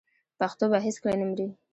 پښتو به هیڅکله نه مري.